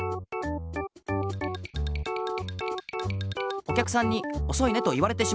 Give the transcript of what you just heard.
おきゃくさんにおそいねと言われてしまいました。